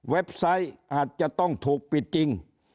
ไซต์อาจจะต้องถูกปิดจริง